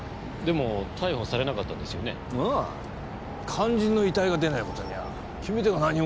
肝心の遺体が出ない事には決め手が何もねえ。